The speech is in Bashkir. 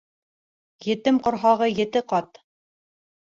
Етем ҡорһағы ете ҡат.